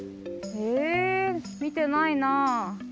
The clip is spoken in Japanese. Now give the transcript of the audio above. えみてないなあ。